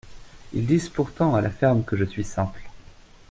Ils disent pourtant à la ferme que je suis simple.